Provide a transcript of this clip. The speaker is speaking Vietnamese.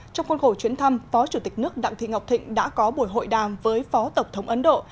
trong khuôn khổ chuyến thăm phó chủ tịch nước đặng thị ngọc thịnh đã có buổi hội đàm với phó tổng thống ấn độ